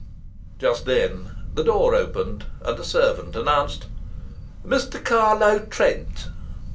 Just then the door opened, and a servant announced: "Mr. Carlo Trent."